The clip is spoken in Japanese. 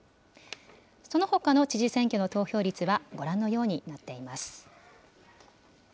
そのほかの知事選挙の投票率はご覧のようになっています。